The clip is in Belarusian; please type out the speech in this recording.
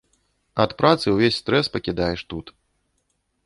Ад працы ўвесь стрэс пакідаеш тут.